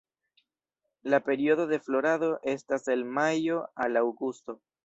La periodo de florado estas el majo al aŭgusto.